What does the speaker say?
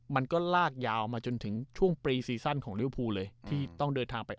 มันก็ลากยาวมาจนถึงช่วงของเลยที่ต้องเดินทางไป